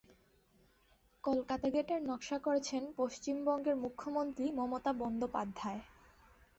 কলকাতা গেটের নকশা করেছেন পশ্চিমবঙ্গের মুখ্যমন্ত্রী মমতা বন্দ্যোপাধ্যায়।